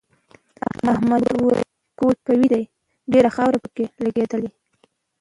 احمد وویل کور قوي دی ډېره خاوره پکې لگېدلې.